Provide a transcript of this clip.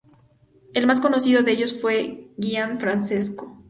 El más conocido de ellos fue Gian Francesco.